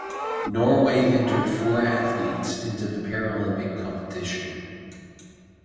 Norway entered four athletes into the Paralympic competition.